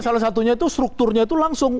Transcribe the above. salah satunya itu strukturnya itu langsung